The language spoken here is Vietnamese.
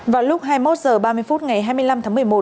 vào lúc hai mươi một h ba mươi phút ngày hai mươi năm tháng một mươi một